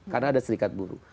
karena ada serikat buru